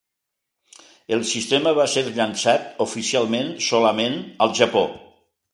El sistema va ser llançat oficialment solament al Japó.